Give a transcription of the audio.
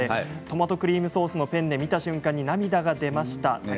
トマトクリームソースのペンネ見た瞬間に涙が出ました。